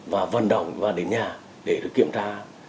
và vận động và đến nhà để kiểm tra